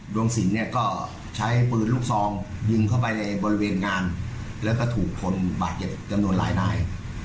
สินเนี่ยก็ใช้ปืนลูกซองยิงเข้าไปในบริเวณงานแล้วก็ถูกคนบาดเจ็บจำนวนหลายนาย